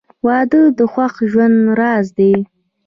• واده د خوښ ژوند راز دی.